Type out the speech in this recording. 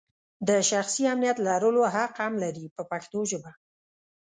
د شخصي امنیت لرلو حق هم لري په پښتو ژبه.